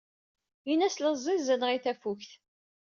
Ini-as la ẓẓiẓineɣ i tafukt.